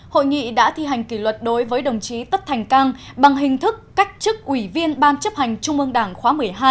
hội nghị đã thi hành kỷ luật đối với đồng chí tất thành cang bằng hình thức cách chức ủy viên ban chấp hành trung ương đảng khóa một mươi hai